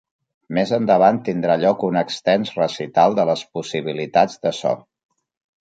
Més endavant tindrà lloc un extens recital de les possibilitats de so.